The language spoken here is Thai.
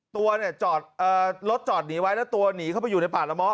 ตัวเนี่ยจอดรถจอดหนีไว้แล้วตัวหนีเข้าไปอยู่ในป่าละม้อ